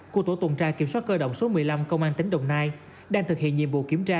của tổ tuần tra kiểm soát cơ động số một mươi năm công an tỉnh đồng nai đang thực hiện nhiệm vụ kiểm tra